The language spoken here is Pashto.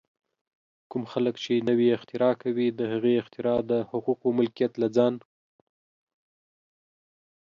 کوم خلک چې نوې اختراع کوي، د هغې اختراع د حقوقو ملکیت له ځان